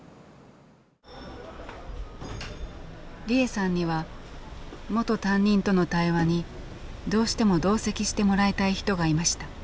利枝さんには元担任との対話にどうしても同席してもらいたい人がいました。